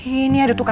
ini ada tukangnya